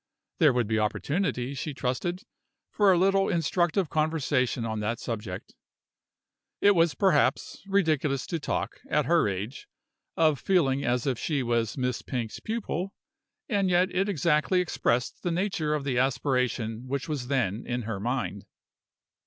There would be opportunities, she trusted, for a little instructive conversation on that subject. It was, perhaps, ridiculous to talk, at her age, of feeling as if she was Miss Pink's pupil; and yet it exactly expressed the nature of the aspiration which was then in her mind.